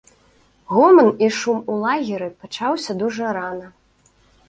Гоман і шум у лагеры пачаўся дужа рана.